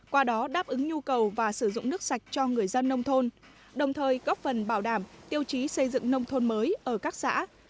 qua đó đáp ứng nhu cầu và sử dụng nước sạch cho người dân nông thôn đồng thời góp phần bảo đảm tiêu chí xây dựng nông thôn mới ở các xã